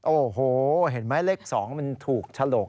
โอ้โหเห็นไหมเลข๒มันถูกฉลก